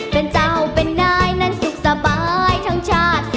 เป็นเจ้าเป็นนายนั้นสุขสบายทั้งชาติ